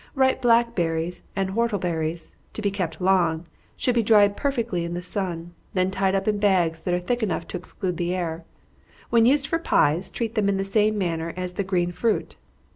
Ripe blackberries and whortleberries, to be kept long, should be dried perfectly in the sun, then tied up in bags that are thick enough to exclude the air. When used for pies, treat them in the same manner as the green fruit.